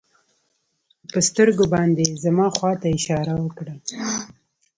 په سترګو باندې يې زما خوا ته اشاره وکړه.